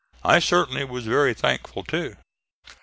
I certainly was very thankful too.